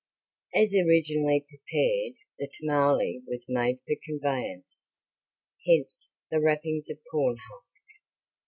As originally prepared the tamale was made for conveyance, hence the wrappings of corn husk.